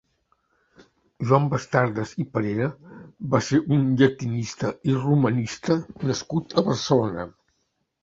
Joan Bastardas i Parera va ser un llatinista i romanista nascut a Barcelona.